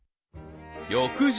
［翌日］